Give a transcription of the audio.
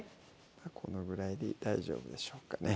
このぐらいで大丈夫でしょうかね